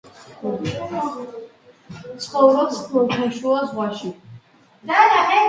გორგილაძე მუშაობდა თვალის რქოვანას გადანერგვის პრობლემებზე.